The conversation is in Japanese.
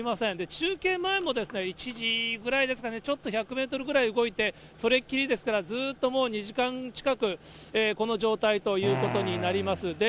中継前も１時ぐらいですかね、ちょっと１００メートルぐらい動いて、それきりですから、ずっともう２時間近く、この状態ということになります。